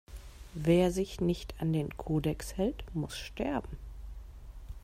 Wer sich nicht an den Kodex hält, muss sterben!